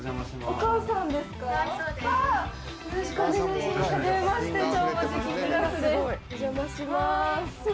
お邪魔します